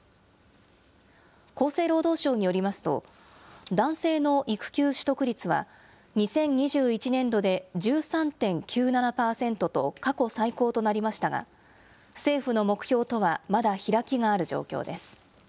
厚生労働省によりますと、男性の育休取得率は２０２１年度で１３．９７％と過去最高となりましたが、政府の目標とはまだ開きがある状況です。